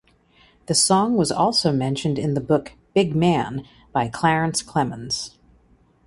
The song was also mentioned in the book "Big Man" by Clarence Clemons.